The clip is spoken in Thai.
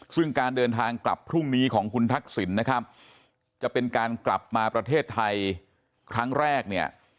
ซึ่งการเดินทางกลับพรุ่งนี้ของคุณทักษิณนะครับจะเป็นการกลับมาประเทศไทยครั้งแรกเนี่ย